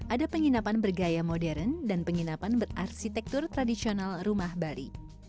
ada penginapan bergaya modern dan penginapan berarsitektur tradisional rumah bali